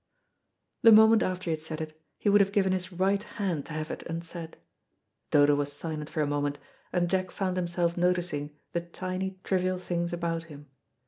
The moment after he had said it, he would have given his right hand to have it unsaid. Dodo was silent for a moment, and Jack found himself noticing the tiny, trivial things about him.